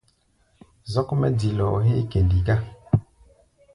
Zɔ́k mɛ́ dilɔɔ héé kɛndi gá.